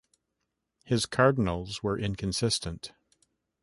His Cardinals were inconsistent.